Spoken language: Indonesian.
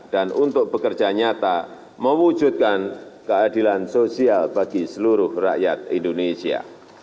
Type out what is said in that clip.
dan untuk bekerja nyata mewujudkan keadilan sosial bagi seluruh rakyat indonesia